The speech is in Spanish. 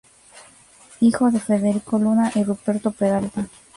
Hijo de Federico Luna y Ruperto Peralta.